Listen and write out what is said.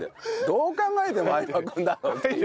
どう考えても相葉君だろ。